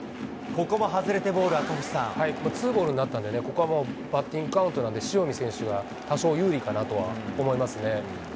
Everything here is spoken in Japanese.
ここはツーボールになったんでね、ここはもうバッティングカウントなんで、塩見選手が多少有利かなとは思いますね。